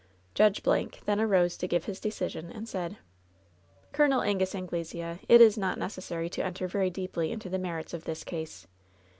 Judge Blank then arose to give his decision, and said : "Col. Angus Anglesea, it is not necessary to enter very deeply into the merits of this case.